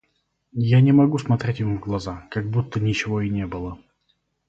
Я не могу смотреть ему в глаза, как будто ничего и не было.